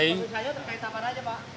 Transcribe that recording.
cerita gimana pak